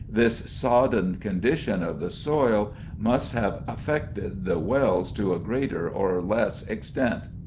This sodden condition of the soil must have affected the wells to a greater or less extent.